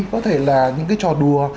có thể là những trò đùa